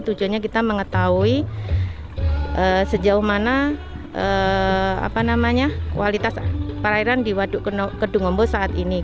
tujuannya kita mengetahui sejauh mana kualitas perairan di waduk kedungombo saat ini